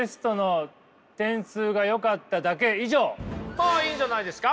ああいいんじゃないですか。